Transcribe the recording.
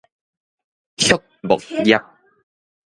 畜牧業